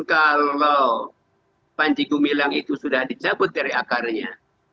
kalau panji gumilang itu sudah dicabut dari akarnya